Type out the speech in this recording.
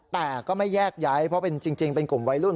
แต่ก็ไม่แยกย้ายเพราะเป็นจริงเป็นกลุ่มวัยรุ่น